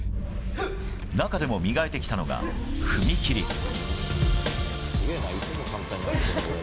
中でも磨いてきたのが踏み切り。